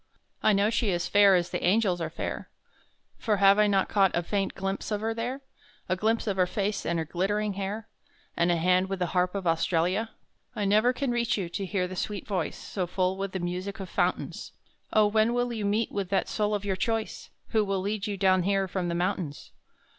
I know she is fair as the angels are fair, For have I not caught a faint glimpse of her there; A glimpse of her face and her glittering hair, And a hand with the Harp of Australia? I never can reach you, to hear the sweet voice So full with the music of fountains! Oh! when will you meet with that soul of your choice, Who will lead you down here from the mountains?